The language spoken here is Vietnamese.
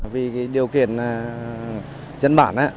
vì điều kiện chân bản